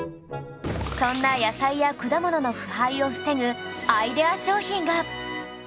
そんな野菜や果物の腐敗を防ぐアイデア商品が